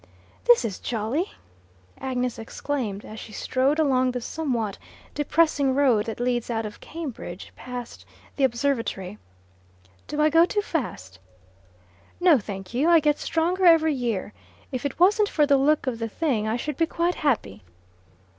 "This is jolly!" Agnes exclaimed as she strode along the somewhat depressing road that leads out of Cambridge past the observatory. "Do I go too fast?" "No, thank you. I get stronger every year. If it wasn't for the look of the thing, I should be quite happy."